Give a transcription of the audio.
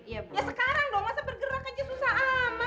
ya sekarang dong masa bergerak aja susah apa